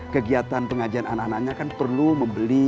kegiatan pengajian anak anaknya kan perlu membeli